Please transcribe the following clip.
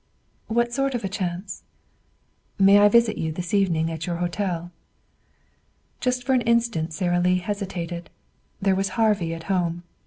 "What sort of a chance?" "May I visit you this evening at your hotel?" Just for an instant Sara Lee hesitated. There was Harvey at home.